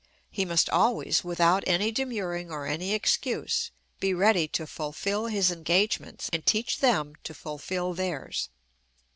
He must always, without any demurring or any excuse, be ready to fulfill his engagements, and teach them to fulfill theirs.